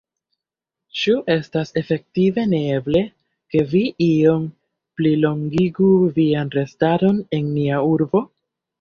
Ĉu estas efektive neeble, ke vi iom plilongigu vian restadon en nia urbo?